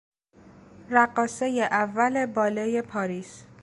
رقاصهی اول بالهی پاریس